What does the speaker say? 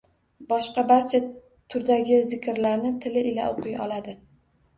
Boshqa barcha turdagi zikrlarni tili ila o‘qiy oladi